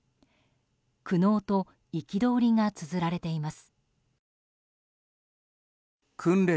苦悩と憤りがつづられています。